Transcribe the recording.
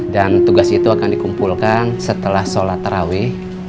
dan tugas itu akan dikumpulkan setelah sholat terawih